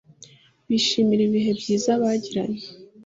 bishimira ibihe byiza bagiranye